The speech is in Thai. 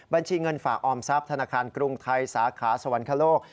บัญชีเงินฝากออมทรัพย์ธนาคารกรุงไทยสาขาสวรรคโลก